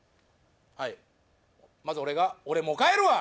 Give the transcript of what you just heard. はいまず俺が「オレもう帰るわ！」